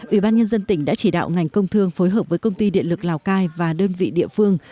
ủy ban nhân dân tỉnh đã chỉ đạo ngành công thương phối hợp với công ty điện lực lào cai và đơn vị địa phương